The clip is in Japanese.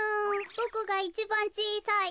ボクがいちばんちいさい。